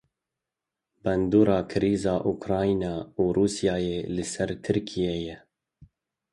Bandora krîza Ukrayna û Rûsyayê li ser Tirkiyeyê.